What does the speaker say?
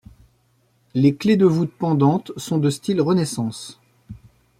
Les clefs de voûte pendantes sont de style Renaissance.